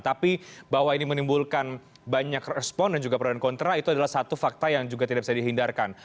tapi bahwa ini menimbulkan banyak respon dan juga pro dan kontra itu adalah satu fakta yang juga tidak bisa dihindarkan